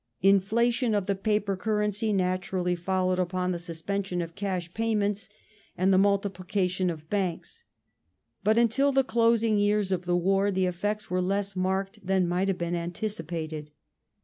Inflation of the paper currency naturally followed upon the suspension of cash payments and the multiplication of Banks ; but until the closing years of the war the effects were less marked than might have been anticipated.